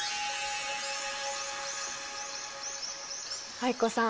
藍子さん